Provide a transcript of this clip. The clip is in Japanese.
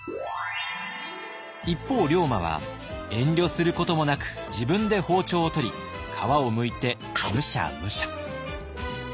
一方龍馬は遠慮することもなく自分で包丁を取り皮をむいてムシャムシャ。